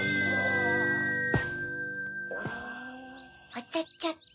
あたっちゃった。